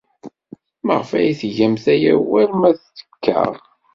Maɣef ay tgamt aya war ma ttekkaɣ?